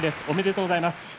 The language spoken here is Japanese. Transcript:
おめでとうございます。